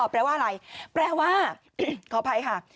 แปลว่าอะไรแปลว่าขออภัยค่ะ